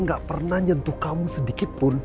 saya gak pernah nyentuh kamu sedikit pun